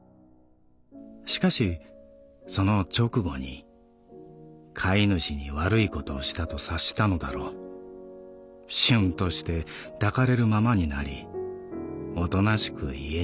しかしその直後に飼い主に悪いことをしたと察したのだろうしゅんとして抱かれるままになりおとなしく家に戻った。